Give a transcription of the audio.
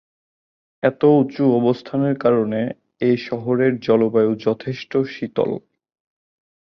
এত উঁচু অবস্থানের কারণে এ' শহরের জলবায়ু যথেষ্ট শীতল।